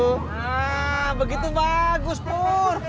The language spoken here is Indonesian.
nah begitu bagus pur